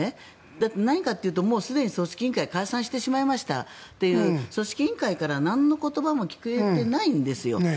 だって、何かというとすでに組織委員会は解散してしまいましたという組織委員会からなんの言葉も聞けていないんですよ。